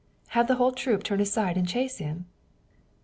"Have the whole troop turn aside and chase him?"